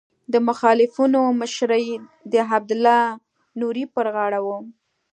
د مخالفینو مشري د عبدالله نوري پر غاړه وه.